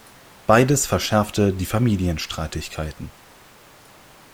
Beides verschärfte die Familienstreitigkeiten.